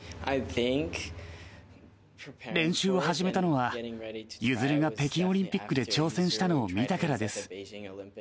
練習を始めたのは、結弦が北京オリンピックで挑戦したのを見たからです。